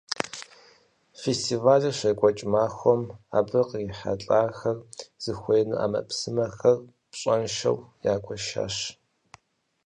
Фестивалыр щекӀуэкӀ махуэм, абы кърихьэлӀахэр зыхуеину Ӏэмэпсымэхэр пщӀэншэу ягуэшащ.